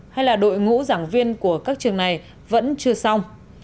hay là đội ngũ giảng viên của các trường này vẫn chưa xong